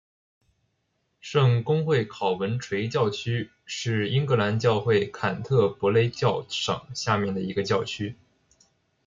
圣公会考文垂教区是英格兰教会坎特伯雷教省下面的一个教区。